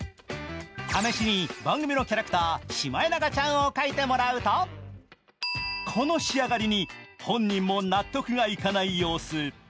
試しに番組のキャラクター、シマエナガちゃんを描いてもらうとこの仕上がりに本人も納得がいかない様子。